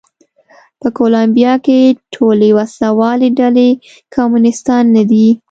په کولمبیا کې ټولې وسله والې ډلې کمونېستان نه دي.